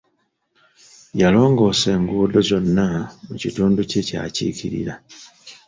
Yalongoosa enguudo zonna mu kitundu kye ky'akiikirira.